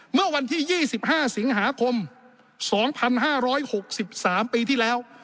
เมื่อวันที่๒๕สิงหาคม๒๕๖๓ปีที่แล้ว